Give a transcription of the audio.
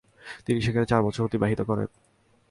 তিনি সেখানে চার বছর অতিবাহিত করেন।